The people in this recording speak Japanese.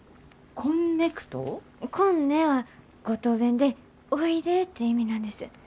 「こんね」は五島弁でおいでって意味なんです。